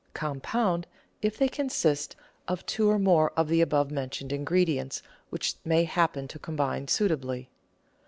Compound if they consist of two or more of the above mentioned ingredients which may happen to combine suitably.